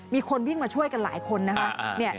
มีคนวิ่งมาช่วยกันหลายคนนะคะ